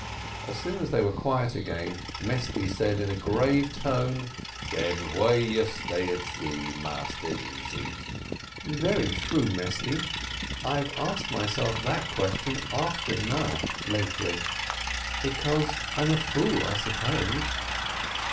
As soon as they were quiet again, Mesty said in a grave tone, "Den why you stay at sea, Massa Easy?" "Very true, Mesty, I've asked myself that question often enough lately; because I'm a fool, I suppose."